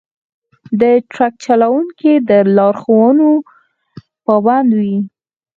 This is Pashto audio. د ټرک چلونکي د لارښوونو پابند وي.